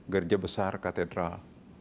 garja besar katedral